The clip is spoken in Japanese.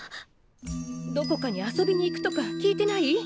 どこかに遊びに行くとか聞いてない？